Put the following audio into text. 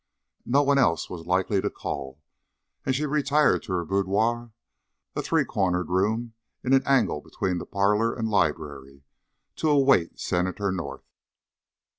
No one else was likely to call, and she retired to her boudoir, a three cornered room in an angle between the parlor and library, to await Senator North.